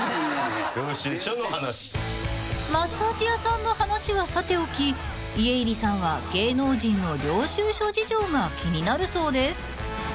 ［マッサージ屋さんの話はさておき家入さんは芸能人の領収書事情が気になるそうです］